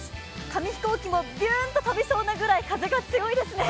紙飛行機もびゅーんと飛びそうなぐらい風が強いですね。